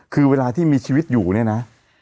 คือเวลาที่มีชีวิตอยู่เนี่ยนะ